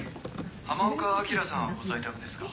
浜岡あきらさんはご在宅ですか？